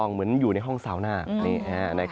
เหมือนอยู่ในห้องซาวน่า